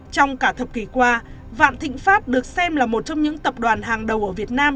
trong cả thập kỷ qua vạn thịnh pháp được xem là một trong những tập đoàn hàng đầu ở việt nam